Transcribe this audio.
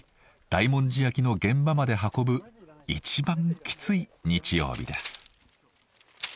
大文字焼きの現場まで運ぶ一番きつい日曜日です。